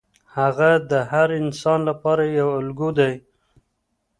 هغه د هر انسان لپاره یو الګو دی.